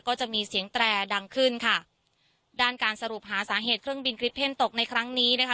ก็จะมีเสียงแตรดังขึ้นค่ะด้านการสรุปหาสาเหตุเครื่องบินคลิปเพ่นตกในครั้งนี้นะคะ